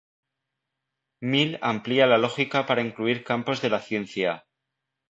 Mill amplía la lógica para incluir campos de la ciencia.